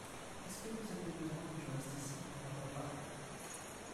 Est-ce que vous avez besoin que je reste ici, mon papa ?